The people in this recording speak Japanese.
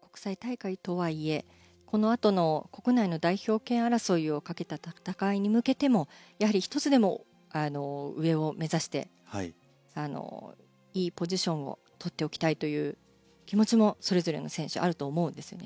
国際大会とはいえこのあとの国内の代表権争いをかけた戦いに向けてもやはり、１つでも上を目指して、いいポジションをとっておきたいという気持ちも、それぞれの選手はあると思うんですね。